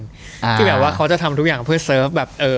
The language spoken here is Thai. ที่แบบว่าเขาจะทำทุกอย่างเพื่อเสิร์ฟแบบเออ